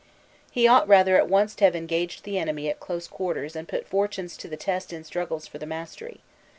He ought rather at once to have engaged the enemy at close quarters and put fortune to the test in struggles © for the mastery.